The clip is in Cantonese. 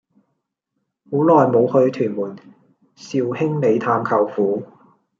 好耐無去屯門兆興里探舅父